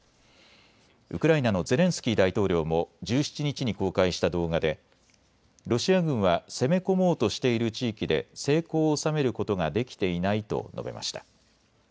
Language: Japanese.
ウクライナのゼレンスキー大統領も１７日に公開した動画でロシア軍は攻め込もうとしている地域で成功を収めることができていないと述べました。